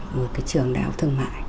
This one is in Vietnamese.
một cái trường đại học thương mại